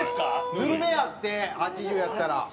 ぬるめやって８０やったら。